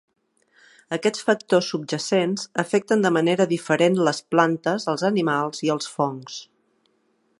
Aquests factors subjacents afecten de manera diferent les plantes, els animals i els fongs.